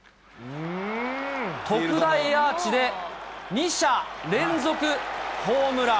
特大アーチで、２者連続ホームラン。